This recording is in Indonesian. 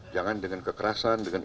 jangan dengan kekerasan dengan